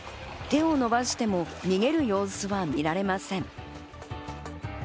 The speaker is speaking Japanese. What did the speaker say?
手を伸ばしても逃げる様子は見られません。